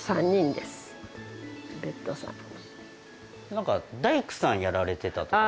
なんか大工さんやられてたとか？